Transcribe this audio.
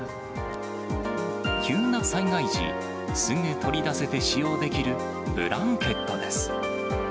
急な災害時、すぐ取り出して使用できるブランケットです。